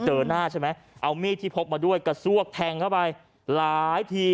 เจอหน้าใช่ไหมเอามีดที่พกมาด้วยกระซวกแทงเข้าไปหลายที